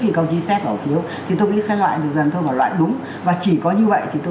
khi các đồng chí xét bỏ phiếu thì tôi nghĩ sẽ loại được dần thôi và loại đúng và chỉ có như vậy thì tôi